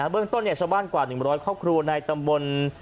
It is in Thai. เรื่องต้นชาวบ้านกว่า๑๐๐ครอบครัวในตำบล